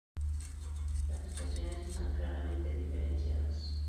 Las estaciones están claramente diferenciadas.